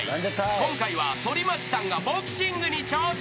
［今回は反町さんがボクシングに挑戦］